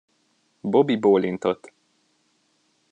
Bobby bólintott.